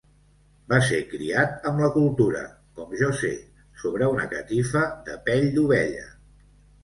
Va ser criat amb la cultura, com jo sé, sobre una catifa de pell d'ovella.